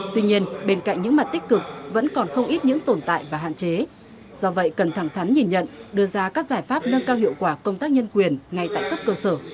tuy nhiên bên cạnh những mặt tích cực vẫn còn không ít những tồn tại và hạn chế do vậy cần thẳng thắn nhìn nhận đưa ra các giải pháp nâng cao hiệu quả công tác nhân quyền ngay tại cấp cơ sở